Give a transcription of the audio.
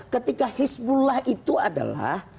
ketika hizbullah itu adalah